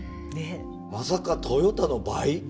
まさかトヨタの倍。